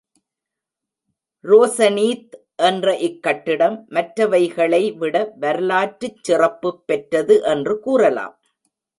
•ரோசனீத் என்ற இக் கட்டிடம், மற்றவைகளை விட வரலாற்றுச் சிறப்புப் பெற்றது என்று கூறலாம்.